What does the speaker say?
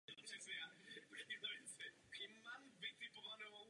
Jeho učitelem byl Alois Kříž.